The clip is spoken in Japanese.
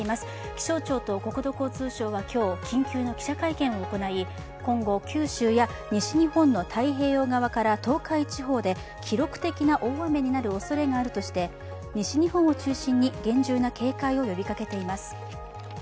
気象庁と国土交通省は今日、緊急の記者会見を行い今後、九州や西日本の太平洋側から東海地方で記録的な大雨になるおそれがあるとして西日本を中心に厳重な警戒を呼びかけています。